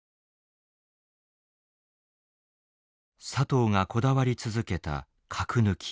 佐藤がこだわり続けた「核抜き」。